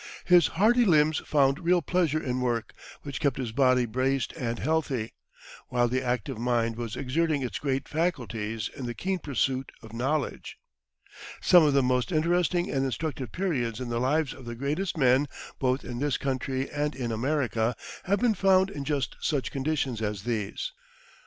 His hardy limbs found real pleasure in work, which kept his body braced and healthy, while the active mind was exerting its great faculties in the keen pursuit of knowledge. Some of the most interesting and instructive periods in the lives of the greatest men, both in this country and in America, have been found in just such conditions as these.